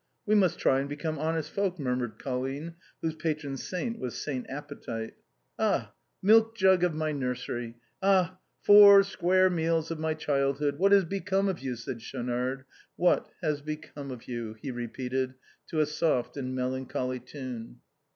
" We must try and become honest folk," murmured Colline, whose patron Saint was Saint Appetite. "Ah ! milk jug of my nursery !— ah ! four square meals of my childhood, what has become of you ?" said Schau nard. " What has become of you ?" he repeated, to a soft and melancholy tune.